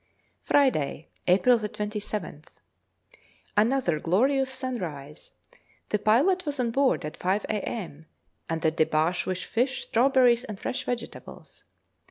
Friday, April 27th. Another glorious sunrise. The pilot was on board at 5 a.m., and the Dhebash with fish, strawberries, and fresh vegetables.